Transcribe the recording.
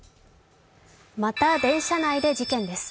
また電車内で事件です。